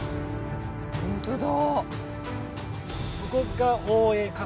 本当だ！